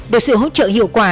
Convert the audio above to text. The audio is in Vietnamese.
được sự hỗ trợ hiệu quả